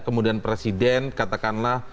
kemudian presiden katakanlah